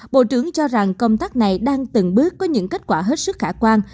bộ trưởng cho rằng công tác này đang từng bước có những kết quả hết sức khả quan